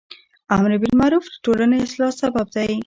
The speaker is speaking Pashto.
امر بالمعروف د ټولنی اصلاح سبب دی.